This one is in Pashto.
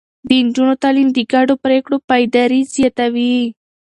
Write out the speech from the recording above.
د نجونو تعليم د ګډو پرېکړو پايداري زياتوي.